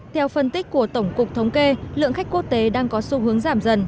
theo phân tích của tổng cục thống kê lượng khách quốc tế đang có xu hướng giảm dần